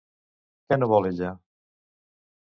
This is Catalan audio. Què no vol ella?